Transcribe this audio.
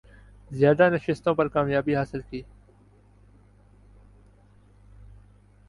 زیادہ نشستوں پر کامیابی حاصل کی